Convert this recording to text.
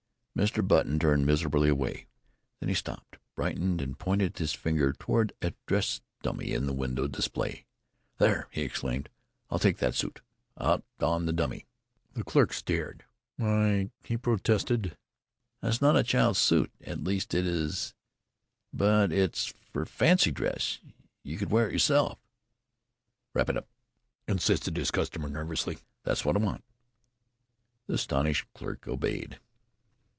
Mr. Button turned miserably away. Then he stopped, brightened, and pointed his finger toward a dressed dummy in the window display. "There!" he exclaimed. "I'll take that suit, out there on the dummy." The clerk stared. "Why," he protested, "that's not a child's suit. At least it is, but it's for fancy dress. You could wear it yourself!" "Wrap it up," insisted his customer nervously. "That's what I want." The astonished clerk obeyed.